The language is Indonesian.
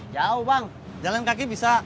jauh bang jalan kaki bisa